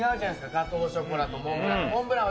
ガトーショコラとモンブランで。